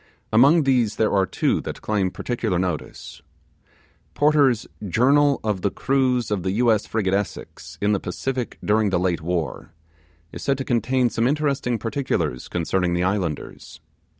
Among these, there are two that claim particular notice. Porter's 'Journal of the Cruise of the U.S. frigate Essex, in the Pacific, during the late War', is said to contain some interesting particulars concerning the islanders.